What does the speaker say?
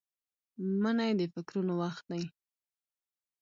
منی د فکرونو وخت دی